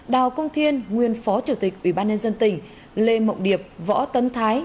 đào công thiên nguyên phó chủ tịch ủy ban nhân dân tỉnh lê mộng điệp võ tấn thái